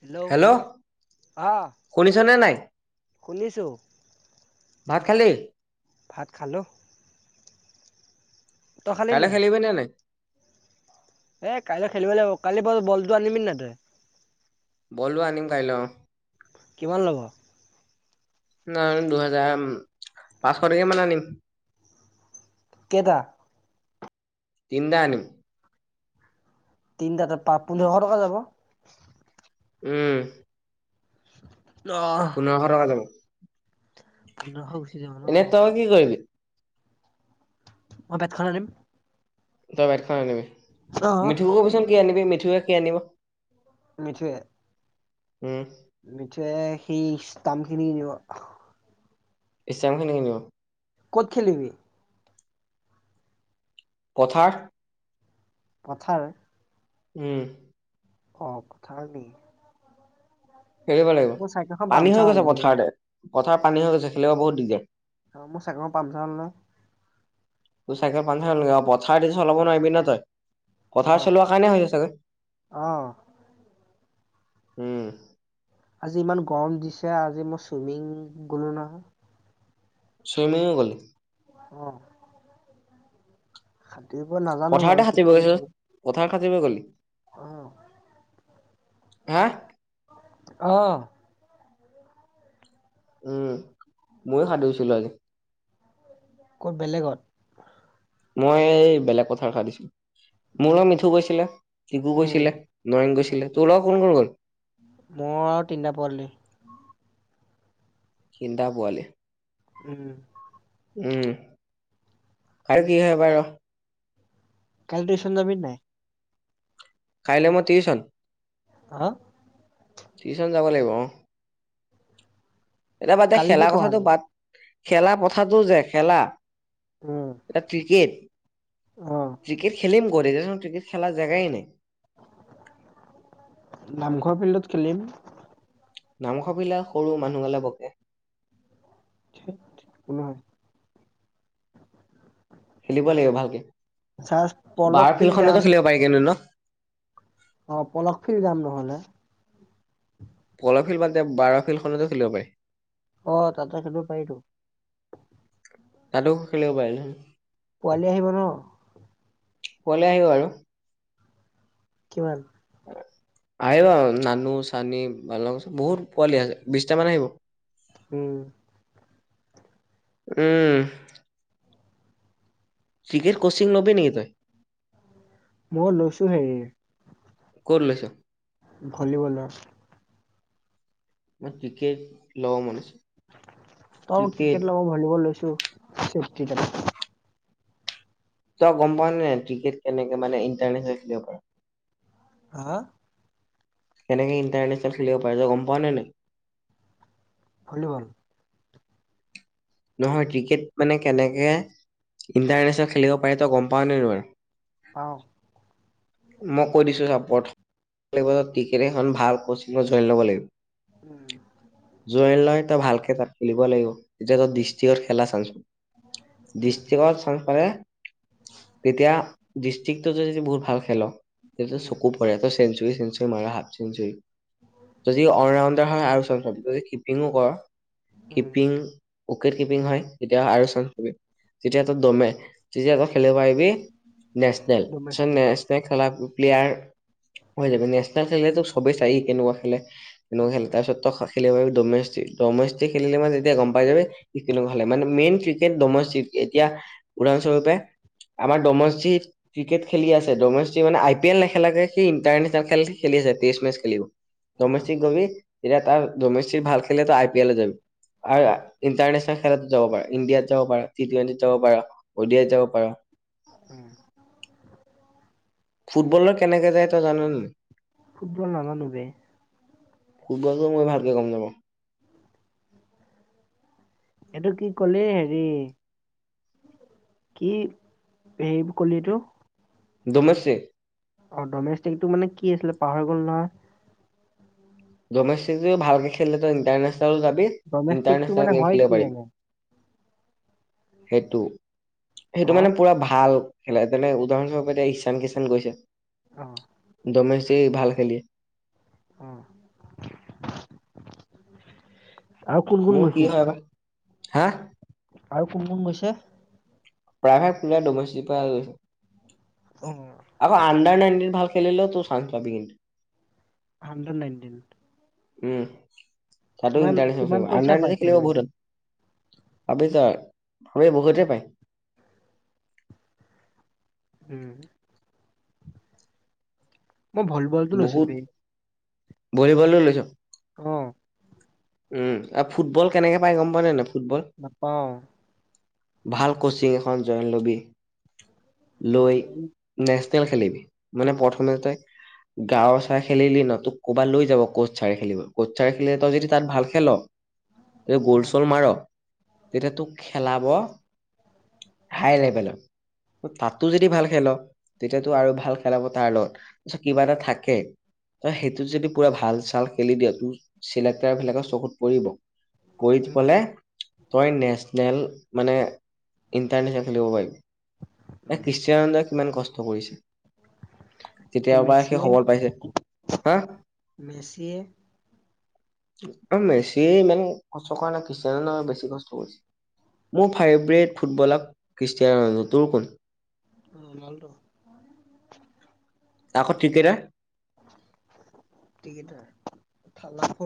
Hello? হা? শুনিছনে নাই? শুনিছো। ভাত খালি? ভাত খালো। কাইলৈ নাই খেলিবি নে নাই? এ কাইলৈ খেলিব লাগিব। কালি ব' বলটো আনিবি নাই তই বলটো আনিম কাইলৈ অহ। কিমান ল'ব? নাই, দুহেজাৰ পাঁচশ টকীয়া মান আনিম। কেটা? তিনটা আনিম। তিনিটাতে প' পোন্ধৰশ টকা যাব। উম। অহ পোন্ধৰশ টকা যাব। পোন্ধৰশ গুচি যাব ন এনেই তই কি কৰিবি? মই বেটখন আনিম। তই বেটখন আনিবি? অহ মিঠুকো কবিচোন, কি আনিবি, মিঠু কি আনিব? মিঠুৱে উম! মিঠুৱে সি স্তাম্প খিনি আনিব। স্তাম্প খিনি আনিব? ক'ত খেলিবি? পথাৰ। পথাৰ? উম! অ, পথাৰ নেকি? হেৰি কৰিব লাগিব, মোৰ চাইকেলখন পানী হৈ পামচাৰ হ'ল গৈছে বে পথাৰতে। পথাৰত পানী হৈ গৈছে খেলিব বহুত দিগদাৰি মোৰ চাইকেলখন পামচাৰ হ'ল নহয়। তোৰ চাইকেল খন পামচাৰ হ'ল নিকি? অ' পথাৰেদি চলাব নোৱাৰিবি ন তই। অ পথাৰত চলোৱা কাৰণে হৈছে চাগে? অ উম। আজি ইমান গৰম দিছে, আজি মই চুইমিং গলো নহয়। চুইমিং গ'লি? উঁ! সাঁতুৰিব নাজানো বাৰু, শিকি আছোঁ। পথাৰত সাঁতুৰিব গ'লি? অঁ! হা? অঁ! উম, মইও সাঁতুৰিছিলো আজি। ক'ত, বেলেগত? মই এই, বেলেগ পথাৰত সাঁতুৰিছিলো, মোৰ লগত মিঠু গৈছিলে। শিবু গৈছিলে, নয়ন গৈছিলে, তোৰ লগত কোন কোন গ'ল? মোৰ আৰু তিনিটা পোৱালি তিনিটা পোৱালি? উমহম! উম আৰু কি হয় বাৰু? কালি টউচন জাবি নে‌ নাই? কাইলৈ মই টিউচন? হা? টিউচন‌ যাব লাগিব অ'। এতিয়া বাদ দে, কালি কি খেলা কথাটো পঢ়ালে বাদ? খেলা কথাটো যে, খেলা। উম ক্ৰিকেট, অ ক্ৰিকেট খেলিম অক ক্ৰিকেট খেলাৰ জেগাই নাই। নামঘৰ ফিল্ডত খেলিম! মাংস বিলাক সৰু মানুহ খালে বকে। কোনে। খেলিব লাগিব ভালকে পলক বাৰ ফিল্ড যাম ফিল্ডখননকে খেলিব পাৰি কিন্তু ন। অ বলক ফ্ৰিলড যাম নহ'লে। কলফিল্ড বাতদে বাৰ ফিল্ডখনতে খেলিব পাৰি। অ তাতে খেলিব পাৰিতো? তাতেও খেলিব পাৰিলোহেঁতেন? পোৱালি আহিব ন। কৰে আহিব আৰু। কিমান। আহিব নানু চানি বালং চব বহুত পোৱালি আছে? বিশটা মান আহিব। উম উম ক্ৰিকেট কোচিং লবি নেকি তই। মই লৈছো হেৰি। ক'ত লৈছ ভলীবলৰ। মই ক্ৰিকেট লব মন আছে? তইয়ো ক্ৰিকেট ল মই ভলীবল লৈছো? স িক। তই গম পাৱ নে ক্ৰিকেট কেনেকে মানে ইণ্টাৰনেচনেল খেলিব পাৰ। আহা কেনেকে ইণ্টাৰনেশ্যনেল খেলিব পাৰি তই গম পাও নে নাই ভলীবল নহয় ক্ৰিকেট মানে কেনেকে ইণ্টাৰনেচনেল খেলিব পাৰে তই গম পাও নে নাই অ মই কৈ দিছো চা প্ৰথমে ক্ৰিকেট এখন ভাল কচিনত জয়ন লব‌ উম লাগিব জয়ন লই তই ভালকে তাত খেলিব লাগিব তেতিয়া তই দৃষ্টিকত খেলা চাঞ্চচু দৃষ্টিকত চাঞ্চ পাৰে তেতিয়া দৃষ্টিকটো য যদি বহুত ভাল। হেলৌ' তেতিয়া যে চকু পৰে তই চেচুৰি যদি চেনচুৰি মাৰা হাফ চেচুৰি যদি অল ৰাউণ্ডাৰ হয় আৰু চ চ যদি কিপিংঙো [unintelligible] কিপিং উইকেট কিপিং হয় তেতিয়া আৰু চপি যেতিয়া তেতিয়াটো দমে তেতিয়া তাত খেলুৱাই বি নেচনেল চ নেচনেল খেলা প্লেয়াৰ হৈ যাব নেচনেল খেলেটো সবেই চাই কেনেকুৱা খেলে এনেও খেল তাৰ পিছততো হয়, খেলিব পাৰিবি ডমিষ্টিত- ডমিষ্টিত খেলিলে মানে, তেতিয়া গম পাই যাবি শিকিলোঁ মানে মেইন ক্ৰিকেট ডমেষ্টিতএতিয়া উদাহৰণস্বৰূপে- আমাৰ ডমষ্টিত ক্ৰিকেট খেলি আছে দমষ্টিত মানে আই- পি -এল নেখেলাকে সেই ইণ্টাৰনে্চনেল খেল-খেলি যায় টেষ্ট -মেচ খেলিব ডমেষ্টিক গলি এতিয়া তাৰ ডমেষ্টিক ভাল খেলিলেতো আই', - পি', -এলে ', -যাবি আৰু ইণ্টাৰনেশ্যনেল খেলত যাব পাৰা ইণ্ডিয়াত যাব পাৰা টি- -টুৱেণ্টিত যাব পাৰা অডিয়াত- যাব পাৰা। [unintelligible] ফুটবলত কেনেকে যায়, তই', জান নেনাই? ফুটবল নাজানুৰে। ফুটবলটো মই ', ভালকৈ গম নাপাওঁ। এইটো কি কলি হেৰি কি হেৰি কলি ইটো? ডমেষ্টিক, অ', ডমেষ্টিকটো মানে কি আছিলে পাহৰি গ'লো নহয়, ডমেষ্টিক যে ', ভালকৈ খেলিলে তই ইণ্টাৰনেশ্যনেল, তালৈ যাবি ডমেষ্টিকটো ইণ্টাৰনেচনল মানে গেম হয় কি খেলব পাৰিবি, মানে সেইটো', সেইটো অ মানে পুৰা ভাল। খেলাই পেলাই উদাহৰণস্বৰূপে- এতিয়া ঈছান- -কিষাান গৈছা? আহ', ডমেষ্টি ভাল খেলি, উম আৰু কোন-কোন মোৰ কি গৈছে? হয় বা হা', আৰু কোন-কোন গৈছে? প্ৰায়ভাগ পোৰা ডমেষ্টিৰ পা গৈছে। অ আকৌ আণ্ডাৰ-নাইনটিৰ ভাল, খেলিলেওতো চাঞ্জ পাবি কিন্তু, হান্দ্ৰেদ -নাইনটিন উম', তাতো কিমান ইণ্টাৰনেচনেল কিমান খেলিব, পইচা আণ্ডাৰ - নাইনটিন, পাইছিল খেলিব বহুত। আবেজাৰ ৰে বহুতে পায় উম', মই', ভলিবলটো লৈছো বে ', ভলিবলতো লৈছোঁ। উম', আৰু ফুটবল কেনেকে পাই গম পাওঁ নে নেপা? নাপাওঁ, ভাল কোচিং এখন জয়ন লবি, লৈ ফুটবল নে, খেল-খেলিবি, অ মানে প্ৰথমে তাই গাঁৱৰ চাই খেলিলি ন তু ক'ৰবাত লৈ যাব কোচ ছাৰে খেলিব কোচ ছাৰে খেলিলে তই যদি তাত ভাল খেল। এই অ গোল চোল মাৰ তেতিয়া তোক খেলাব হাই লেভেলত তাতো যদি ভাল খেল। তেতিয়াতো আৰু ভাল খেলাব তাৰ লগত তাৰত কিবা এটা থাকে। ত সেইটোত যদি পুৰা ভাল চাল খেলি দিয় তোৰ চিলেক্টৰ বিলাকৰ চকুত পৰিব। কৰিত উম পলে তই নেচনেল। মানে ইণ্টাৰনেচ নেল খেলিব পাৰিম। [inaudible] কিমান কষ্ট কৰিছে? তেতিয়াৰ পৰা সি উমেচে সবল পাইছে হা মেচে। মেছি ইমান কষ্ট কৰা নাই খ্ৰীষ্টান বেছি কষ্ট কৰিছে মোৰ ফেভৰেট ফুটবলাৰ খ্ৰীষ্টিয়ান নু তোৰ কোন? [inaudible] অ ভালটো। আকৌ ক্ৰিকেটাৰ। ক্ৰিকেটাৰ।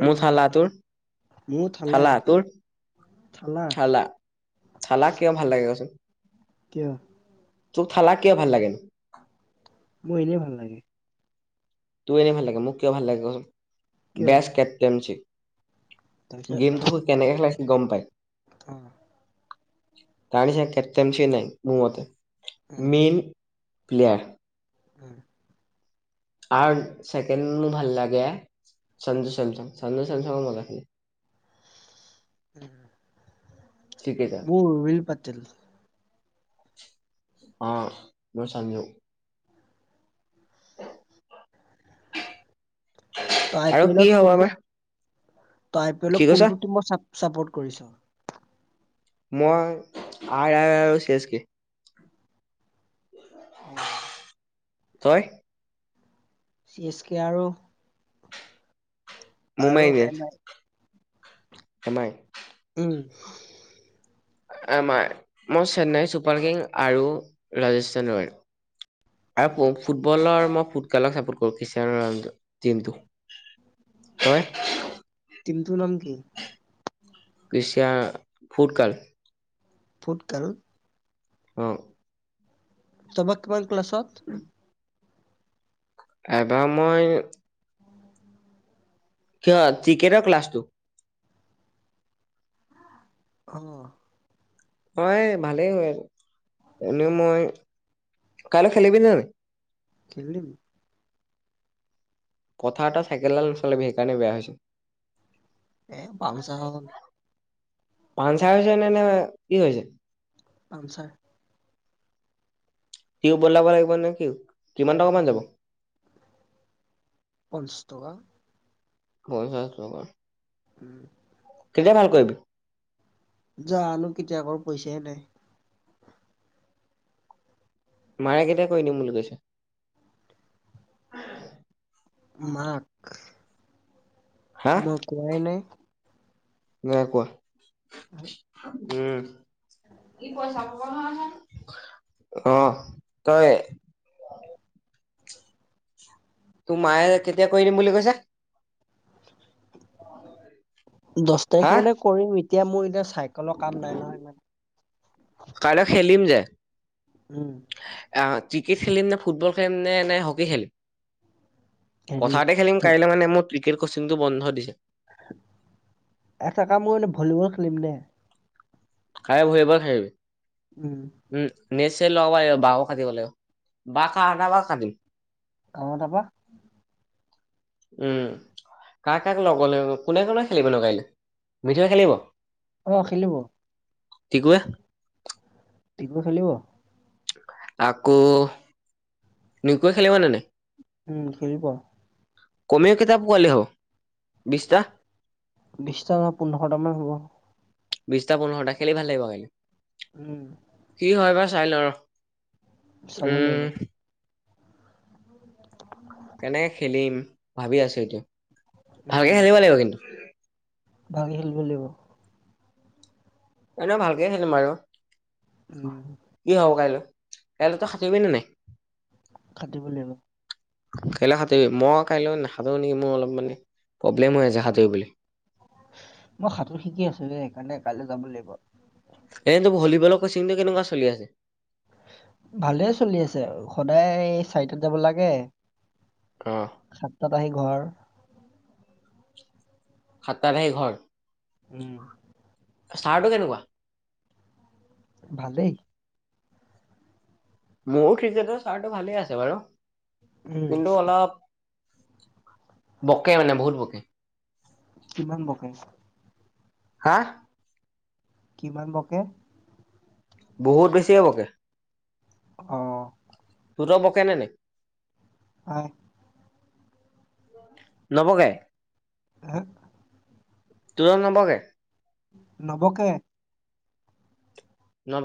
মোৰ থালা তোৰ মোৰ থালাই থালা তোৰ থালা থালা কিয় ভাল লাগে কচোন। কিয়? তোক থালা কিয় ভাল লাগেনো? মোৰ এনেই ভাল লাগে। তোৰ এনেই ভাল লাগে, মোক কিয় ভাল লাগে কচোন। কিয় বেচ কেপ্টেইন চি। তাৰপিছত গেমঠো কেনেকে খেলাইছিল গম পাই? অ তাৰ নিচিনা কেপ্টেইনচ নাই মোৰ মতে। উম মেইন পিলিয়াৰ। উম। আৰু ছেকেণ্ড মোৰ ভাল লাগে সঞ্জু চেমচং সঞ্জু চেমচঙো মজা খেলে। ক্ৰিকেটাৰ [unintelligible] তিল। অ দ চামিও। ত আই আৰু পি কি এলত হ'ব কোনটো আমাৰ তই আই পি কি এলত কৈছ কোনটো টিমৰ চাপ চাপৌত কৰিছ? মই আৰ আৰ আৰু চি এছ কে। অ [inaudible] তই? চি এছ কে আৰু আৰু এম আই। M I. উম। এম আই, মই চেন্নাই চুপাৰ কিং আৰু ৰাজস্থান ৰয়েল উম আৰু ফুটবলৰ মই ফুতকালক চাপৰ্ট কৰো কিশ্যৰো টীমটো। তই? টীম টোৰ নাম কি? কৃষিয়া ফুট কাৰ্ল। ফুটকাল? অ। তমক মান ক্লাছত। এবাৰ মই কিয় ত্ৰিকেটৰ ক্লাছটো? অহ। হয় ভালেই হয় আৰু এনে মই কাইলৈ খেলিবি নে যাবি? খেললিম। কথা এটা চাইকেল ডাল নচলাবি সেইকাৰণে বেয়া হৈছে। এ পামচা হৈ গ'ল। পানছাৰ হৈছে নে নে কি হৈছে? পামচাৰ। টিও বদলাব লাগিব নেকি? কিমান টকা মান যাব। পঞ্চাশ টকা হৈ হৈ উম কেতিয়া ভাল কৰিবি। যানো কেতিয়া কৰোঁ পইচাই নাই। মাৰে কেটিয়া কৰি দিম বুলি কৈছে মাগ হা মই কোৱাই নাই। নাই কোৱা। হয় [unintelligible] উম অ তই তোৰ মায়ে কেতিয়া কৰি দিম বুলি কৈছে। দহ তাৰিখ হা মানে কৰিম এতিয়া মই এতিয়া চাইকেলৰ কাম নাই নহয় ইমান কাইলৈ [unintelligible] উম আহ ক্ৰিকেট খেলিম নে ফুটবল খেলিম নে নে হকী খেলিম। হেৰি পথাৰতে খেলিম কাইলৈ মানে মোৰ ক্ৰিকেট কোচিংটো বন্ধ দিছে। এটা কাম কৰিনে ভলীবল খেলিম দে ই ভলীবল খেলিম। উম উম নে লগ বা কাটিব ল বা ক ন বাকদিম আমাৰ তাৰপৰা উম কাক কাক লব লাগিব কোনে কোনে খেলিব ন কাইলৈ মিঠৈ খেলিব অঁ খেলিব টিকুৱে টিকুৱে খেলিব আকৌ নিকোৱে খেলি নে নাই উম খেলিব কমেও কেইটা পোৱালি হম বিচটা বিচতা পোন্ধৰ তামান হ'ব বিশটা পোন্ধৰটা খেলি ভাল লাগিব কাইলৈ উম কি হয় বা চাই লও ৰ চাব লাগিব উম কেনেকে খেলিম ভাবি আছো এতিয়া ভালকে উম খেলিব লাগিব কিন্তু ভালকে খেলিব লাগিব। এনে ভালকে খেলিম আৰু উম কি হব কাইলৈ? কাইলৈ তই সাঁতুৰিবি নে নাই? সাঁতুৰিব লাগিব। কাইলৈ সাঁতুৰিব মই কাইলৈ নাসাঁতুৰো নেকি মোৰ অলপ মানে প্ৰব্লেম হৈ আছে সাঁতুৰিবলৈ। মই সাঁতোৰ শিকি আছোঁ যে সেইকাৰণে কাইলৈ যাব লাগিব। এ তো ভলীবলৰ কচিংটো কেনেকুৱা চলি আছে? ভালে চলি আছে সদায় চাৰিটাত যাব লাগে। অ সাতটাত আহি ঘৰ। সত্তাত আহি ঘৰ উম। চাৰটো কেনেকুৱা? ভালেই। মোৰ কিকেতৰ চাৰটো ভালেই আছে বাৰু উম কিন্তু অলপ। বকে মানে বহুত বকে। কিমান বকে? হাঁ? কিমান বকে? বহুত বেছি এ বকে। অঁ তহতৰ বকে নে নেকি? হয়। নবকে? হে? তোৰণ নবকে? নবকে। নবকে